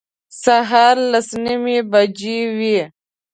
سهار لس نیمې بجې وې.